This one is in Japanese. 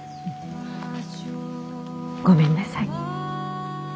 ごめんなさい。